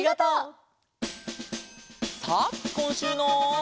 さあこんしゅうの。